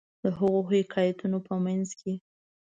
د هغو حکایتونو په منځ کې.